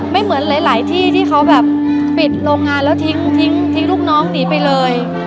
ไม่เหมือนหลายที่ที่เขาแบบปิดโรงงานแล้วทิ้งทิ้งลูกน้องหนีไปเลย